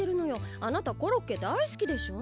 あなたコロッケ大すきでしょ？